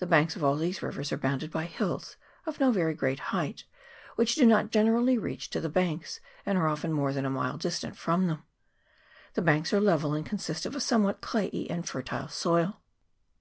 The banks of all these rivers are bounded by hills of no very great height, which do not generally reach to the banks, and are often more than a mile distant from them ; the banks are level, and consist of a somewhat clayey and fertile soil.